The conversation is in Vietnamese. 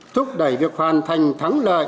thúc đẩy việc hoàn thành thắng lợi